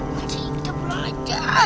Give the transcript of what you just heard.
muncing kita perlu aja